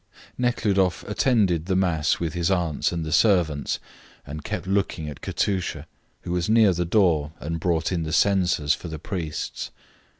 Nekhludoff attended the mass with his aunts and the servants, and kept looking at Katusha, who was near the door and brought in the censers for the priests.